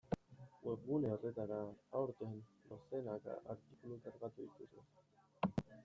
Webgune horretara, aurten, dozenaka artikulu kargatu dituzue.